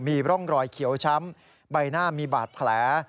มีร่องรอยเขียวช้ำใบหน้ามีบาดแผล